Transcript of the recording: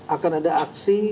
akan ada aksi